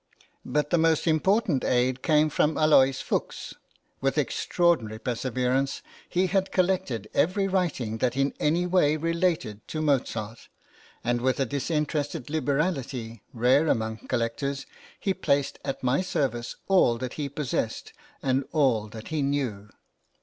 But the most important aid came from Aloys Fuchs. With extraordinary perseverance he had collected every writing that in any way related to Mozart, and with a disinterested liberality, rare among collectors, he placed at my service all that he possessed and all that he knew.